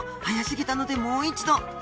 速すぎたのでもう一度。